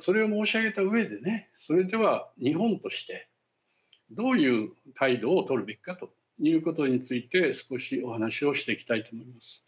それを申し上げたうえでそれでは日本としてどういう態度をとるべきかということについて少しお話をしていきたいと思います。